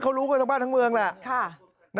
เขารู้กันทั้งบ้านทั้งเมืองแหละ